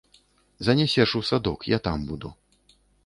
Занясеш у садок, я там буду.